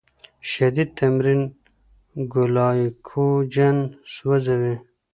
شدید تمرین ګلایکوجن سوځوي.